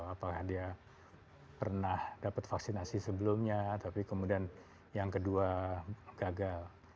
apakah dia pernah dapat vaksinasi sebelumnya tapi kemudian yang kedua gagal